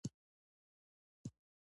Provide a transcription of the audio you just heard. د هرات په شینډنډ کې د سمنټو مواد شته.